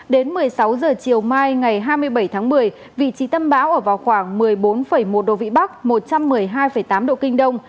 đến một mươi sáu h chiều mai ngày hai mươi bảy tháng một mươi vị trí tâm bão ở vào khoảng một mươi bốn một độ vĩ bắc một trăm một mươi hai tám độ kinh đông